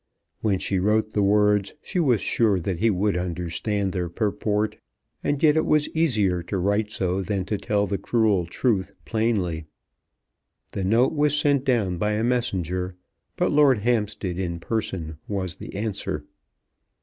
When she wrote the words she was sure that he would understand their purport, and yet it was easier to write so than to tell the cruel truth plainly. The note was sent down by a messenger, but Lord Hampstead in person was the answer.